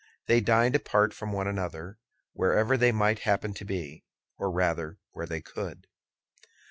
They dined apart from one another, wherever they might happen to be, or rather where they could.